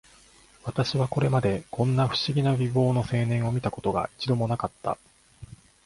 私はこれまで、こんな不思議な美貌の青年を見た事が、一度も無かった